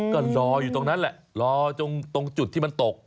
ก็รออยู่ตรงนั้นแหละรอตรงจุดที่มันตก